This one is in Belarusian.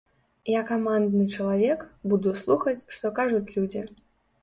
Я камандны чалавек, буду слухаць, што кажуць людзі.